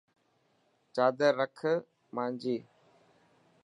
چادر رک مانجي.